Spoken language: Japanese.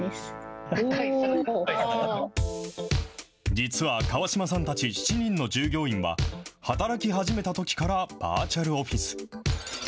実は川島さんたち７人の従業員は、働き始めたときからバーチャルオフィス。